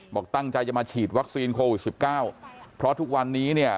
บอกตั้งใจจะมาฉีดวัคซีนโควิดสิบเก้าเพราะทุกวันนี้เนี่ย